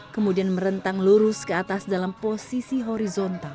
kemudian merentang lurus ke atas dalam posisi horizontal